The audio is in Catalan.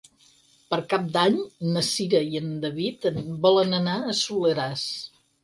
Per Cap d'Any na Cira i en David volen anar al Soleràs.